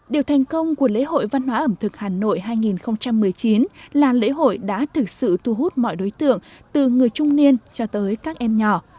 điều thành công của lễ hội văn hóa ẩm thực hà nội hai nghìn một mươi chín là lễ hội đã thực sự thu hút mọi đối tượng từ người trung niên cho tới các em nhỏ